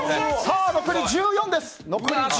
残り１４です。